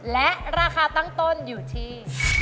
และราคาตั้งต้นอยู่ที่